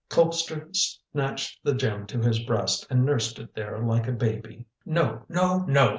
Colpster snatched the gem to his breast and nursed it there like a baby. "No! no! no!"